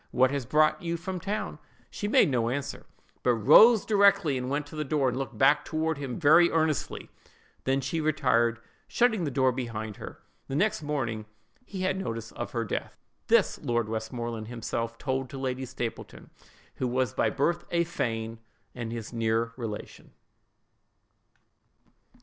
What has brought you from town?' She made no answer; but rose directly, and went to the door, and looked back toward him very earnestly: then she retired, shutting the door behind her. The next morning he had notice of her death. This, Lord Westmoreland himself told to Lady Stapleton, who was by birth a Fane, and his near relation."